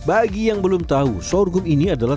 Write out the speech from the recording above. bagi yang belum tahu sorghum ini adalah